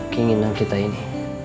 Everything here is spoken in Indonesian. keinginan kita ini